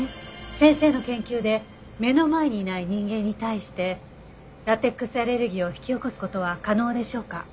先生の研究で目の前にいない人間に対してラテックスアレルギーを引き起こす事は可能でしょうか？